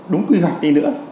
đúng quy hoạch đi nữa